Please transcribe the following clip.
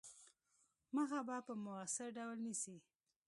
مخه به په موثِر ډول نیسي.